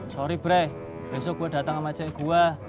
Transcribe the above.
sorry brai besok gue datang sama ce gue